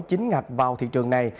chính ngạch vào thị trường này